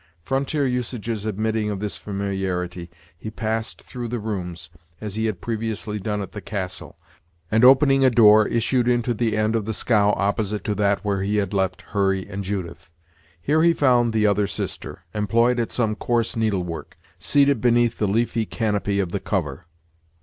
Frontier usages admitting of this familiarity, he passed through the rooms, as he had previously done at the 'Castle', and opening a door issued into the end of the scow opposite to that where he had left Hurry and Judith. Here he found the other sister, employed at some coarse needle work, seated beneath the leafy canopy of the cover.